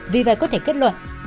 vì vậy có thể kết luận